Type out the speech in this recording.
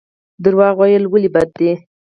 درواغ ویل ولې بد دي؟